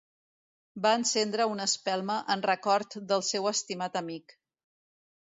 Van encendre una espelma en record del seu estimat amic.